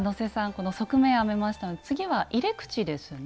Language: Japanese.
この側面編めましたので次は入れ口ですね。